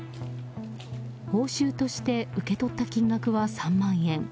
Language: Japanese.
報酬として受け取った金額は３万円。